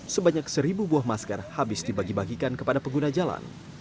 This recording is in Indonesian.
sebanyak seribu buah masker habis dibagi bagikan kepada pengguna jalan